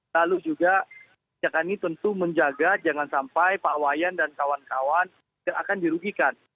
lalu juga kebijakan ini tentu menjaga jangan sampai pak wayan dan kawan kawan tidak akan dirugikan